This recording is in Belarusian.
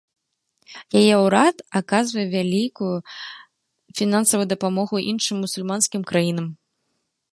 Яе ўрад аказвае вялікую фінансавую дапамогу іншым мусульманскім краінам.